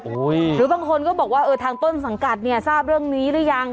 หรือบางคนก็บอกว่าเออทางต้นสังกัดเนี่ยทราบเรื่องนี้หรือยัง